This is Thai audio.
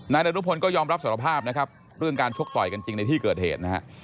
ดรุพลก็ยอมรับสารภาพนะครับเรื่องการชกต่อยกันจริงในที่เกิดเหตุนะฮะ